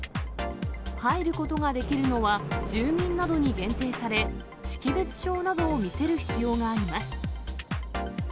入ることができるのは、住民などに限定され、識別証などを見せる必要があります。